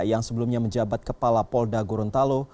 yang sebelumnya menjabat kepala polda gorontalo